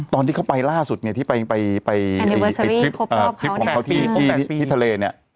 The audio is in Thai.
ตอนที่เขาไปล่าสุดที่ไปทริปของเขาที่ทะเล